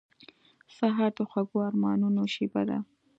سهار د خوږو ارمانونو شېبه ده.